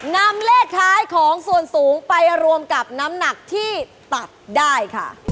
นำเลขท้ายของส่วนสูงไปรวมกับน้ำหนักที่ตัดได้ค่ะ